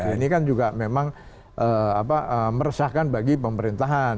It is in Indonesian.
ini kan juga memang meresahkan bagi pemerintahan